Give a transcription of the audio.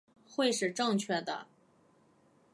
会是正确的